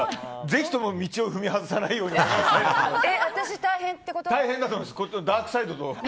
ぜひとも道を踏み外さないように私、大変ってこと？